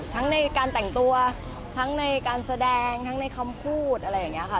ในการแต่งตัวทั้งในการแสดงทั้งในคำพูดอะไรอย่างนี้ค่ะ